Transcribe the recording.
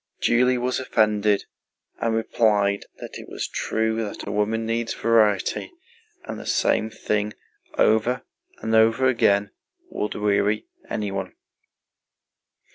Julie was offended and replied that it was true that a woman needs variety, and the same thing over and over again would weary anyone.